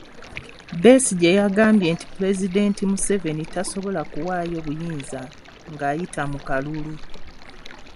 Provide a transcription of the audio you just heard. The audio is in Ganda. Besigye yagambye nti Pulezidenti Museveni tasobola kuwaayo buyinza ng'ayita mu kalulu.